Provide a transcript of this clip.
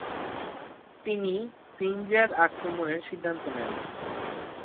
তিনি সিনজার আক্রমণের সিদ্ধান্ত নেন।